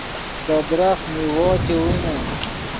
دے درخت میوو چے وینے